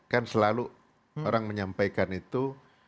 kan selalu orang menyampaikan itu